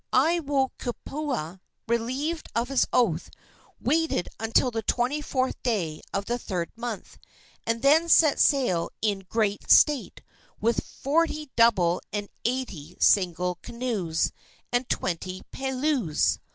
Aiwohikupua, relieved of his oath, waited until the 24th day of the third month, and then set sail in great state, with forty double and eighty single canoes, and twenty peleleus.